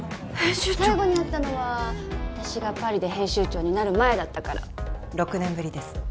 編集長最後に会ったのは私がパリで編集長になる前だったから６年ぶりです